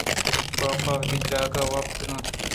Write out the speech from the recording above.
کاف وتی جاگہ ءَ وپتگ اَت